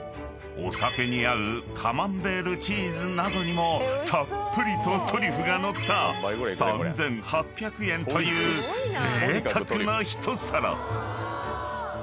［お酒に合うカマンベールチーズなどにもたっぷりとトリュフが載った３，８００円というぜいたくな一皿］